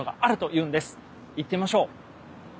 いってみましょう。